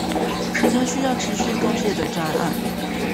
其他需要持續貢獻的專案